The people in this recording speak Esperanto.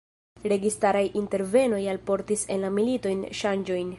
Registaraj intervenoj alportis en la militojn ŝanĝojn.